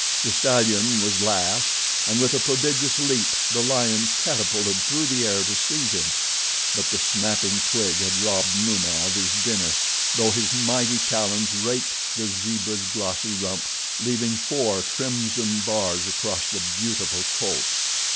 The stallion was last, and with a prodigious leap, the lion catapulted through the air to seize him; but the snapping twig had robbed Numa of his dinner, though his mighty talons raked the zebra's glossy rump, leaving four crimson bars across the beautiful coat.